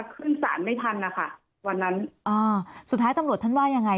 ขึ้นสารไม่ทันนะคะวันนั้นอ่าสุดท้ายตำรวจท่านว่ายังไง